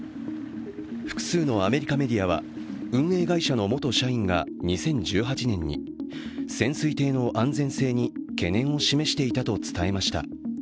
複数のアメリカメディアは運営会社の元社員が２０１８年に潜水艇の安全性に懸念を示していたと伝えました。